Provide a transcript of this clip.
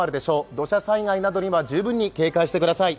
土砂災害などには十分に警戒してください。